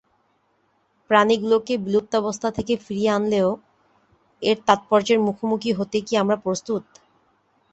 প্রাণীগুলোকে বিলুপ্তাবস্থা থেকে ফিরিয়ে আনলেও, এর তাৎপর্যের মুখোমুখি হতে কি আমরা প্রস্তুত?